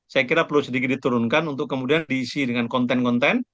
saya kira perlu sedikit diturunkan untuk kemudian diisi dengan konten konten